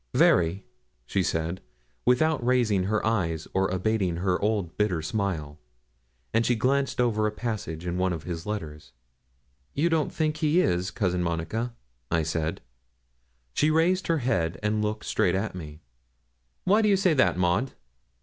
'Very,' she said, without raising her eyes or abating her old bitter smile, as she glanced over a passage in one of his letters. 'You don't think he is, Cousin Monica?' said I. She raised her head and looked straight at me. 'Why do you say that, Maud?'